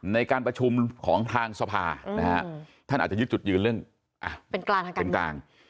ในการประชุมของทางสภานะฮะท่านอาจจะยึดจุดยืนเรื่องเป็นกลาง